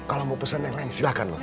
kalo mau pesen yang lain silahkan loh